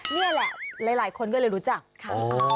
นี่แหละหลายคนก็เลยรู้จักค่ะ